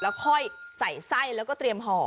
แล้วค่อยใส่ไส้แล้วก็เตรียมห่อ